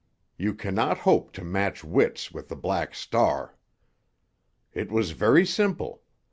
You cannot hope to match wits with the Black Star. "It was very simple.